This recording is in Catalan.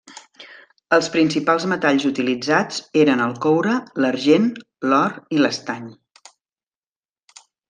Els principals metalls utilitzats eren el coure, l'argent, l'or i l'estany.